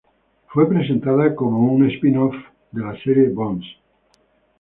Fue presentada como un "spin-off" de la serie "Bones".